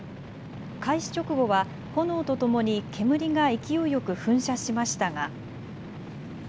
開始直後は炎と共に煙が勢いよく噴射しましたが。